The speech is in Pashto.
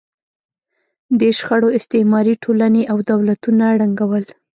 دې شخړو استعماري ټولنې او دولتونه ړنګول.